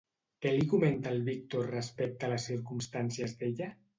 Què li comenta el Víctor respecte a les circumstàncies d'ella?